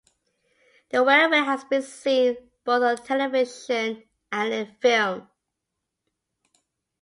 The railway has been seen both on television and in film.